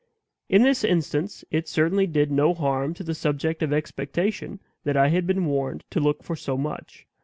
In this instance it certainly did no harm to the subject of expectation that I had been warned to look for so much.